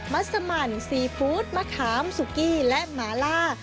ัสมันซีฟู้ดมะขามสุกี้และหมาล่า